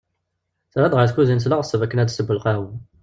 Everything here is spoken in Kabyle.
Terra-d ɣer tkuzint s leɣseb akken ad tessu lqahwa.